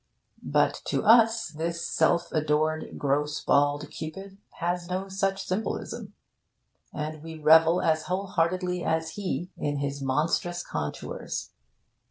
But to us this 'self adored, gross bald Cupid' has no such symbolism, and we revel as whole heartedly as he in his monstrous contours.